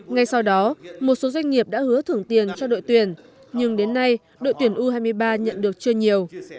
ngay sau đó một số doanh nghiệp đã hứa thưởng tiền cho đội tuyển nhưng đến nay đội tuyển u hai mươi ba nhận được chưa nhiều